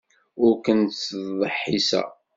Ur ken-ttdeḥḥiseɣ.